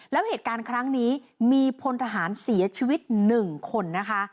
แล้วเหตุการณ์ครั้งนี้มีพลทหารเสียชีวิต๑คนนะคะ